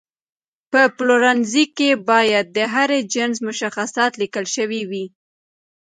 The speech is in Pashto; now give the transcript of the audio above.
په پلورنځي کې باید د هر جنس مشخصات لیکل شوي وي.